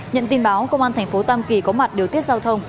nhận tin báo công an thành phố tam kỳ có mặt điều tiết giao thông